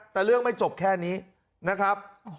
แต่เรื่องไม่จบแค่นี้นะครับ